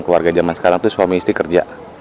keluarga zaman sekarang itu suami istri kerja